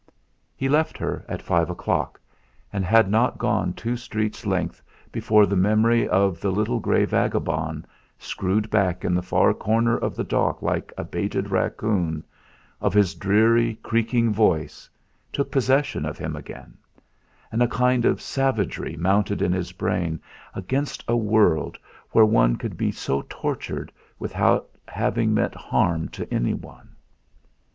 He left her at five o'clock, and had not gone two streets' length before the memory of the little grey vagabond, screwed back in the far corner of the dock like a baited raccoon, of his dreary, creaking voice, took possession of him again; and a kind of savagery mounted in his brain against a world where one could be so tortured without having meant harm to anyone.